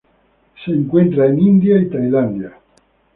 Se encuentra en India Tailandia.